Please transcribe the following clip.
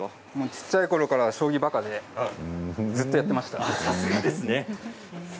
小さいころから将棋ばかでずっとやっていました。